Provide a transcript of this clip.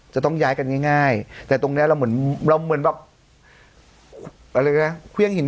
จะต้องย้ายกันง่ายน่ายแต่ตรงเนี้ยเราเหมือนแบบ